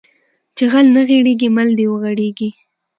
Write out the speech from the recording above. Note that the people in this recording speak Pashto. چې غل نه غېړيږي مل د وغړيږي